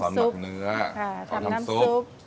ก็สอนหมักเนื้อสอนทำซุป